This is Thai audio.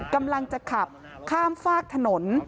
กำลังจะขับข้ามฝากถนน